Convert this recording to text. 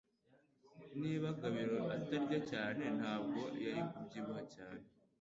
Niba Gabiro atarya cyane ntabwo yari kubyibuha cyane